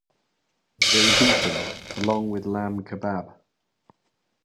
It was eaten along with lamb kabab.